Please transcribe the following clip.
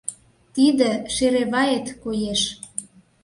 Тиде — шереваэт коеш...